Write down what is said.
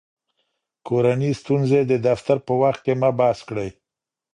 کورني ستونزې د دفتر په وخت کې مه بحث کړئ.